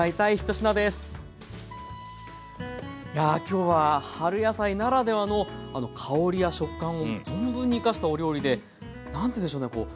いや今日は春野菜ならではの香りや食感を存分にいかしたお料理で何て言うんでしょうね